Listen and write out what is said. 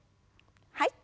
はい。